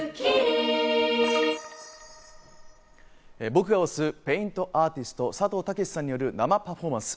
僕が推すペイントアーティスト・さとうたけしさんによる生パフォーマンス。